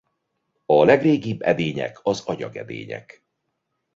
A legrégibb edények az agyagedények.